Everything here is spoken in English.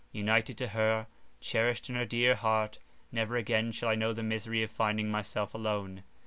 United to her, cherished in her dear heart, never again shall I know the misery of finding myself alone.